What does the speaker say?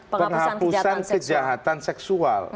penghapusan kejahatan seksual